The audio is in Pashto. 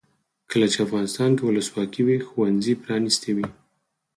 کله چې افغانستان کې ولسواکي وي ښوونځي پرانیستي وي.